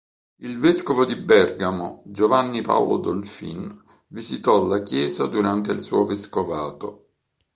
Il vescovo di Bergamo Giovanni Paolo Dolfin visitò la chiesa durante il suo vescovato.